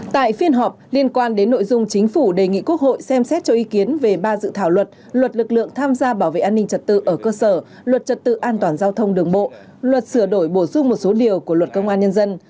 tại phiên họp liên quan đến nội dung chính phủ đề nghị quốc hội xem xét cho ý kiến về ba dự thảo luật luật lực lượng tham gia bảo vệ an ninh trật tự ở cơ sở luật trật tự an toàn giao thông đường bộ luật sửa đổi bổ sung một số điều của luật công an nhân dân